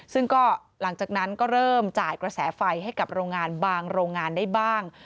ซึ่งก็หลังจากนั้นก็เริ่มจ่ายกระแสไฟให้กับโรงงานบางโรงงานได้บ้าง